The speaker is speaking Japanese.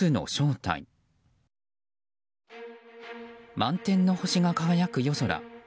満天の星が輝く夜空。